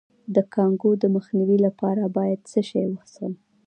د کانګو د مخنیوي لپاره باید څه شی وڅښم؟